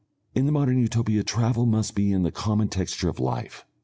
In the Modern Utopia travel must be in the common texture of life.